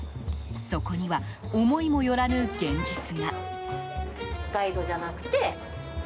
そこには思いもよらぬ現実が。